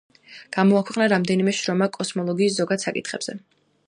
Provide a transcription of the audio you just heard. გამოაქვეყნა რამდენიმე შრომა კოსმოლოგიის ზოგად საკითხებზე.